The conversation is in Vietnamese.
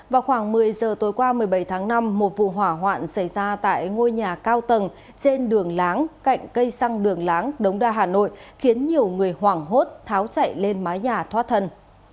vào khoảng một mươi giờ tối qua một mươi bảy tháng năm một vụ hỏa hoạn xảy ra tại ngôi nhà cao tầng trên đường láng cạnh cây xăng đường láng đống đa hà nội khiến nhiều người hoảng hốt tháo chạy lên mái nhà thoát thần